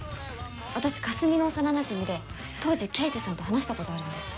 私かすみの幼なじみで当時刑事さんと話したことあるんです。